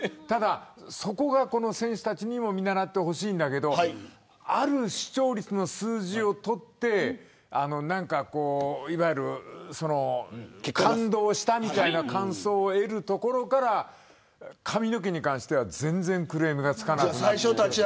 そこがこの選手たちにも見習ってほしいけどある視聴率の数字を取って感動したみたいな感想を得るところから髪の毛に関しては全然クレームがつかなくなった。